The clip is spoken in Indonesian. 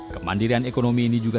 kemamdian ekonomi ini juga